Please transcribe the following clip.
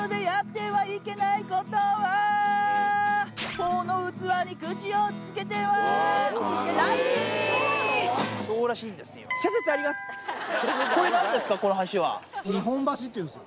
フォーの器に口をつけてはいけない日本橋って言うんですよ。